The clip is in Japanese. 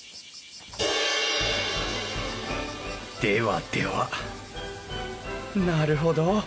ではではなるほど。